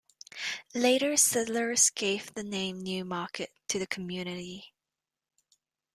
Later settlers gave the name New Market to the community.